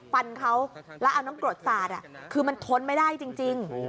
ฟันเขาแล้วเอาน้ำกรดสาดคือมันทนไม่ได้จริง